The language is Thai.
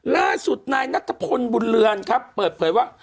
ล่าสุดนะนัฏพลบุญเรือนเปิดฝัยว่า